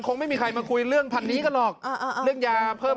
คงไม่มีใครมาคุยเรื่องพันนี้กันหรอกเรื่องยาเพิ่ม